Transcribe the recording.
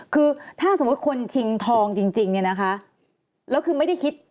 คือถ้าสมมุติคนชิงทองจริงเนี่ยนะคะแล้วคือไม่ได้คิด